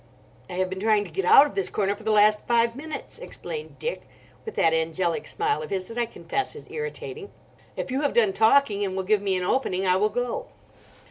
"I have been trying to get out of this corner for the last five minutes," explained Dick, with that angelic smile of his that I confess is irritating. "If you have done talking, and will give me an opening, I will go."